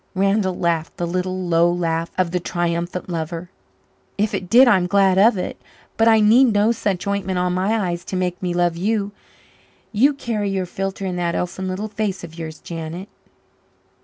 Randall laughed the little, low laugh of the triumphant lover. "If it did, I'm glad of it. But I need no such ointment on my eyes to make me love you you carry your philtre in that elfin little face of yours, Janet."